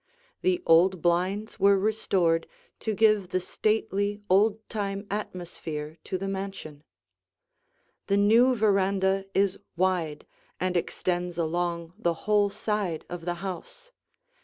The old blinds were restored, to give the stately, old time atmosphere to the mansion. The new veranda is wide and extends along the whole side of the house.